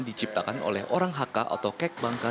diciptakan oleh orang haka atau kek bangka